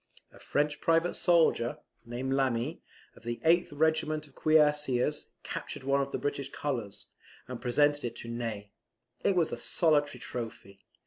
A French private soldier, named Lami, of the 8th regiment of cuirassiers, captured one of the English colours, and presented it to Ney. It was a solitary trophy.